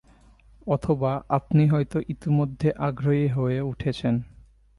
অথবা আপনি হয়তো ইতোমধ্যে আগ্রহী হয়ে উঠেছেন।